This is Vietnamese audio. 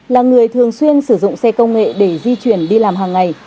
là người thường xuyên sử dụng xe công nghệ để di chuyển đi làm hàng ngày